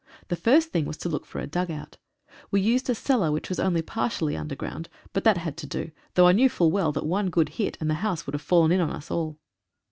The first thing was to look for a dug out. We used a cellar which was only partially underground, and that had to do, though I knew full well that one good hit, and the house would have fallen in on us all.